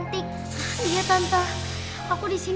tiara pasti ada di luar